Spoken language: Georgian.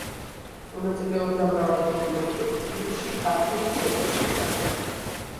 მონაწილეობდა მრავალ დოკუმენტურ ფილმში ქართული ცეკვის შესახებ.